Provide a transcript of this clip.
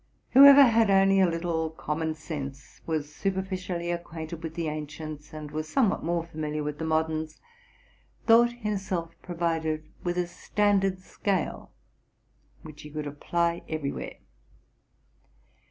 Whoever had only a little common sense, was superficially acquainted with the ancients, and was somewhat more famil iar with the moderns, thought himself provided with a stand ard scale which he could everywhere apply. !